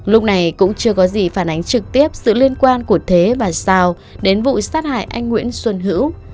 lúc này cũng chưa có gì phản ánh trực tiếp sự liên quan của thế và sao đến vụ sát hại anh nguyễn xuân hữu